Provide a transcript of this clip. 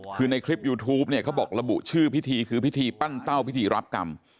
เขาบอกละบุชื่อพิธีคือพิธีปั้นเต้าพิธีรับกรรม